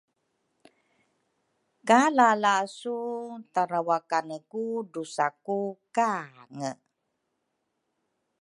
ka lalasu tarawakane ku drusa ku kange.